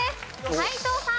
斎藤さん。